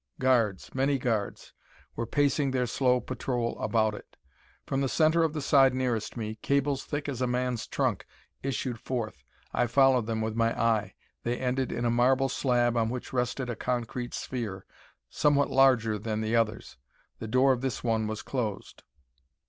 Guards, many guards, were pacing their slow patrol about it. From the center of the side nearest me, cables thick as a man's trunk issued forth. I followed them with my eye. They ended in a marble slab on which rested a concrete sphere, somewhat larger than the others. The door of this one was closed.